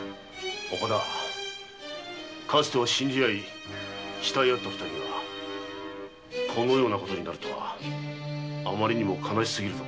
かつては信じ合った二人がこのような事になるとはあまりにも悲しすぎるぞ。